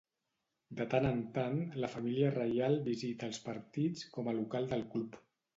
De tant en tant, la família reial visita els partits com a local del club.